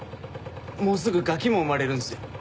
もうすぐガキも生まれるんすよ。